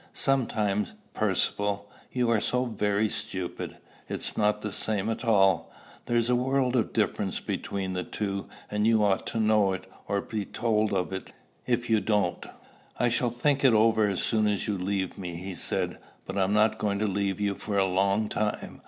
"Sometimes, Percivale, you are so very stupid! It's not the same at all. There's a world of difference between the two; and you ought to know it, or be told it, if you don't." "I shall think it over as soon as you leave me," he said. "But I'm not going to leave you for a long time.